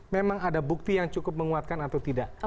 memang ada bukti yang cukup menguatkan atau tidak